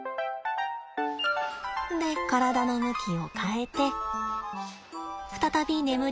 で体の向きを変えて再び眠りにつきます。